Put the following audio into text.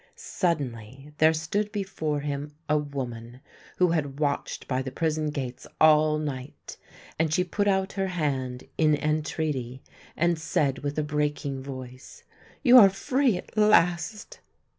Suddenly there stood before him a THE PRISONER 261 woman, who had watched by the prison gates all night ; and she put out her hand in entreaty, and said with a breaking voice :" You are free at last